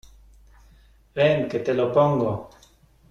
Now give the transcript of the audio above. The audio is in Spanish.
ven, que te lo pongo.